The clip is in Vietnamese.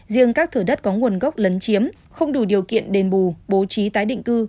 riêng các thửa đất có nguồn gốc lấn chiếm không đủ điều kiện đền bù bố trí tái định cư